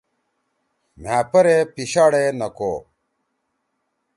مھأ پرے پیشاڈے نکو۔